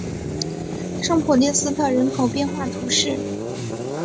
圣普列斯特人口变化图示